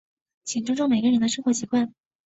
请尊重每个人的生活习惯。